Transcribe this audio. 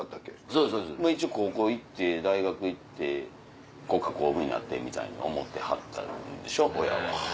そうそうそう一応高校行って大学行って国家公務員なってみたいに思ってはったんでしょう親は。